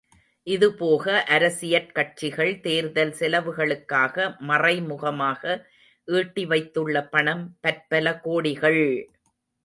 இதுபோக அரசியற் கட்சிகள் தேர்தல் செலவுகளுக்காக மறைமுகமாக ஈட்டி வைத்துள்ள பணம் பற்பல கோடிகள்!